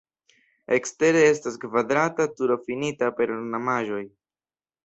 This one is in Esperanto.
Ekstere estas kvadrata turo finita per ornamaĵoj.